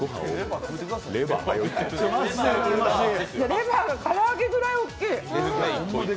レバーが唐揚げぐらい大きい。